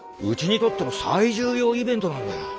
うちにとっても最重要イベントなんだ。